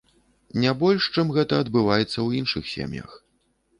Не больш, чым гэта адбываецца ў іншых сем'ях.